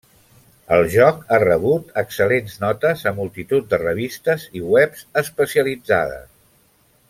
El joc ha rebut excel·lents notes a multitud de revistes i webs especialitzades.